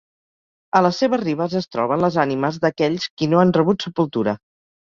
A les seves ribes es troben les ànimes d'aquells qui no han rebut sepultura.